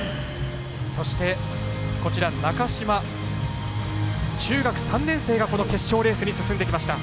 そして、中嶋中学３年生が決勝レースに進んできました。